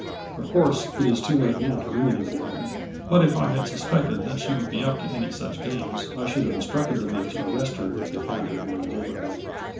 Of course, it is too late now to remedy the matter, but if I had suspected that she would be up to any such games, I should have instructed the men to ar rest her if they found her in the neighborhood.